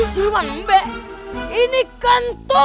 siapa yang kasih menda